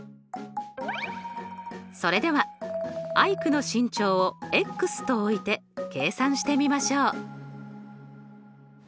それではアイクの身長をと置いて計算してみましょう。